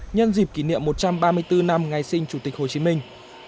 nhân dịp kỷ niệm một trăm ba mươi bốn năm ngày sinh chủ tịch hồ chí minh